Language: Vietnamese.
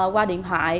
qua điện thoại